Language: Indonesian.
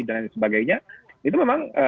dan lain sebagainya itu memang